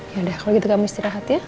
yaudah kalau gitu kamu istirahat ya